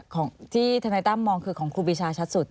ของที่ธนายตั้มมองคือของครูปีชาชัดสุด